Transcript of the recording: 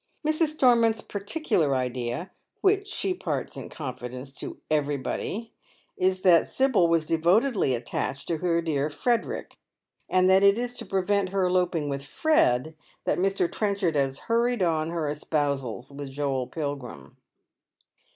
Mrs. Stonnont's particular idea — which she imparts in confidence to everybody — is that Sibyl was devotedly attached to her dear A Wedding Eve. 283 Frederick, and that it is to prevent her elopinf;: with Fred that Mr. Trenchard has hurried on her espousals with Joel Pilgrim.